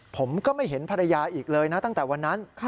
ผมก็ไม่เห็นภรรยาอีกเลยนะตั้งแต่วันนั้น